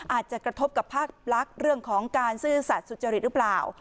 อาจจะกระทบกับภาคลักษณ์เรื่องของการซื่อสัตว์สุจริตหรือเปล่า